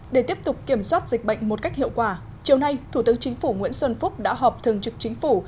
để tiếp tục kiểm soát dịch bệnh một cách hiệu quả chiều nay thủ tướng chính phủ nguyễn xuân phúc đã họp thường trực chính phủ